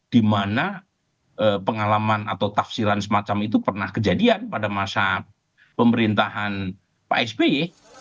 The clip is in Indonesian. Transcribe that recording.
dimana pengalaman atau tafsiran semacam itu pernah kejadian pada masa pemerintahan pak sby